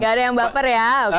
tidak ada yang baper ya